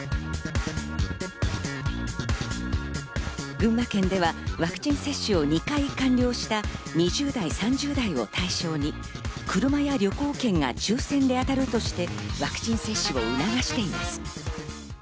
群馬県ではワクチン接種を２回完了した２０代、３０代を対象に車や旅行券が抽選で当たるとして、ワクチン接種を促しています。